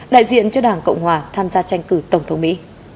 đại diện cho đảng cộng hòa tham gia tranh cử tổng thống mỹ